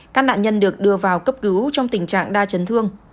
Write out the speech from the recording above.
các nạn nhân được đưa vào cấp cứu trong tình trạng đa chấn thương